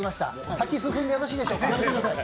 先に進んでよろしいでしょうか？